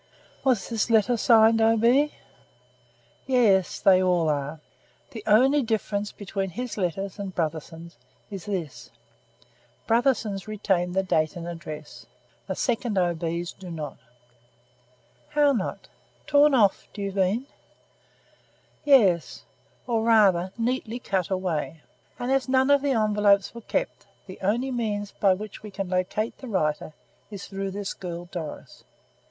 "Was this letter signed O. B.?" "Yes; they all are. The only difference between his letters and Brotherson's is this: Brotherson's retain the date and address; the second O. B.'s do not." "How not? Torn off, do you mean?" "Yes, or rather, neatly cut away; and as none of the envelopes were kept, the only means by which we can locate the writer is through this girl Doris."